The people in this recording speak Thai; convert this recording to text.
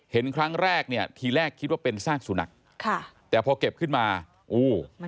เห็นครั้งแรกทีแรกคิดว่าเป็นสร้างสุนัขแต่พอเก็บขึ้นมาโอ้